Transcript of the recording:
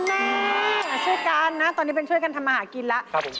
แม่ช่วยกันนะตอนนี้เป็นช่วยกันทำมาหากินแล้ว